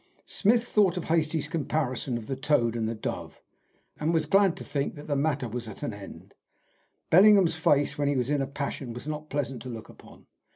Smith thought of Hastie's comparison of the toad and the dove, and was glad to think that the matter was at an end. Bellingham's face when he was in a passion was not pleasant to look upon.